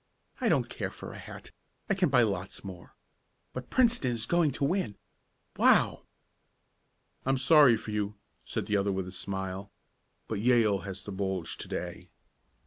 I don't care for a hat I can buy lots more. But Princeton is going to win! Wow!" "I'm sorry for you," said the other with a smile. "But Yale has the bulge to day."